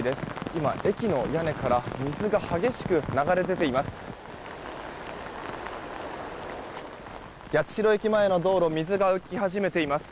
今、駅の屋根から水が激しく流れ出ています。